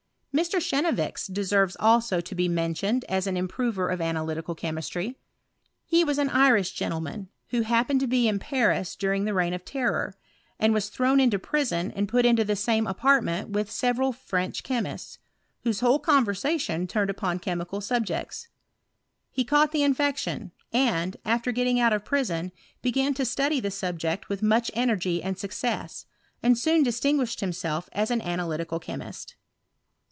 Mr. Chenevix deserves also to be mentioned as an improver of analytical chemistry. He was an Irish gentleman, who happened to be in Paris during the reign of terror, and was thrown into prison and put into the same apartment with several French che mists, whose whole conversation turned upon chemi cal subjects. He caught the infection, and, after getting out of prison, began to study the subject with much energy and success, and soon distin guished himself as an analytical chemist.